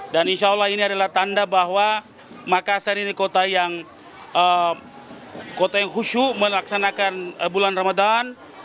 dan insya allah ini adalah tanda bahwa makassar ini kota yang khusyuk melaksanakan bulan ramadan